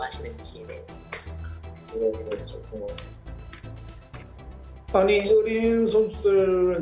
dan saya telah mendapat banyak kemahiran